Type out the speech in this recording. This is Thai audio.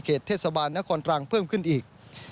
เทศบาลนครตรังเพิ่มขึ้นอีก